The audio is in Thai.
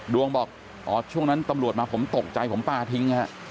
ดวงบอกอ๋อช่วงนั้นตำรวจมาผมตกใจผมปลาทิ้งฮะ